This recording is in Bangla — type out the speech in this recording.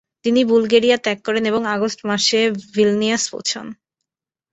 তিনি বুলগেরিয়া ত্যাগ করেন এবং আগস্ট মাসে ভিলনিয়াস পৌঁছান।